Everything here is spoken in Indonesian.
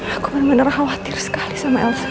aku bener bener khawatir sekali sama elsa